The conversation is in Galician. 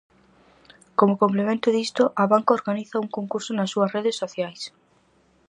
Como complemento disto, Abanca organiza un concurso nas súas redes sociais.